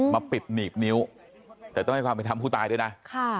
มาปิดหนีบนิ้วแต่ต้องให้ความเป็นธรรมผู้ตายด้วยนะ